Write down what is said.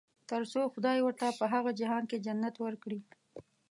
تر څو خدای ورته په هغه جهان کې جنت ورکړي.